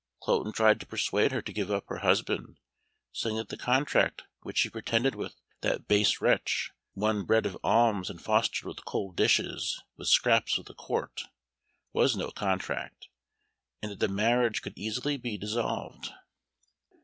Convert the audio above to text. Cloten tried to persuade her to give up her husband, saying that the contract which she pretended with that "base wretch, one bred of alms, and fostered with cold dishes, with scraps of the Court," was no contract, and that the marriage could easily be dissolved.